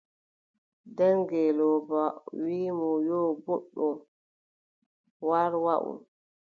Nde ngeelooba wii :« yo, booɗɗum war waʼu. ».